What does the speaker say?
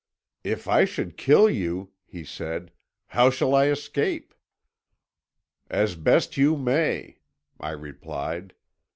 "'If I should kill you,' he said, 'how shall I escape?' "'As best you may,' I replied.